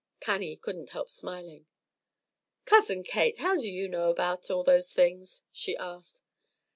Cannie couldn't help smiling. "Cousin Kate, how can you know about all those things?" she asked.